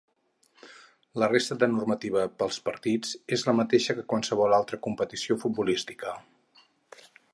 La resta de normativa pels partits és la mateixa que en qualsevol altra competició futbolística.